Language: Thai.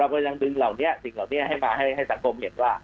เราพยายามดึงสิ่งเหล่านี้ให้มาให้สังคมเห็นว่า